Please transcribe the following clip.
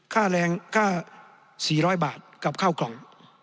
ค่าแรงค่า๔๐๐บาทกับข้าวกล่อง